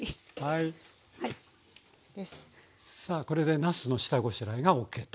さあこれでなすの下ごしらえがＯＫと。